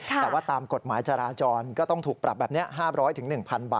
แต่ว่าตามกฎหมายจราจรก็ต้องถูกปรับแบบนี้๕๐๐๑๐๐บาท